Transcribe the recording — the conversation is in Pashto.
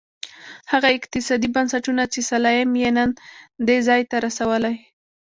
هغه اقتصادي بنسټونه چې سلایم یې نن دې ځای ته رسولی.